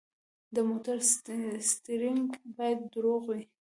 د موټر سټیرینګ باید روغ وي.